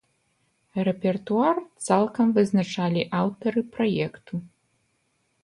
Рэпертуар цалкам вызначалі аўтары праекта.